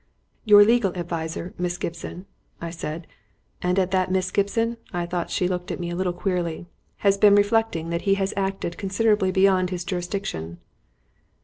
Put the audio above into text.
"Your legal adviser, Miss Gibson," I said (and at that "Miss Gibson" I thought she looked at me a little queerly), "has been reflecting that he has acted considerably beyond his jurisdiction."